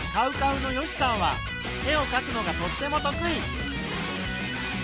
ＣＯＷＣＯＷの善しさんは絵をかくのがとっても得意。